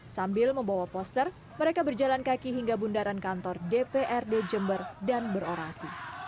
sambil membawa poster mereka berjalan kaki hingga bundaran kantor dprd jember dan berorasi